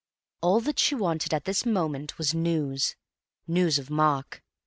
All that she wanted at this moment was news—news of Mark.